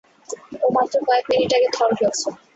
ও মাত্র কয়কে মিনিট আগে থর হয়েছে।